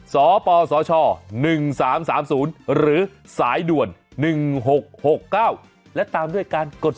สปสช๑๓๓๐หรือสายด่วน๑๖๖๙และตามด้วยการกด